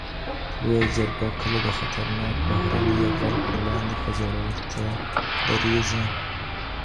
لویه جرګه کله د خطرناک بهرني یرغل پر وړاندي په زړورتیا درېږي؟